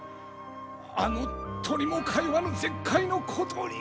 あの鳥も通わぬ絶海の孤島に？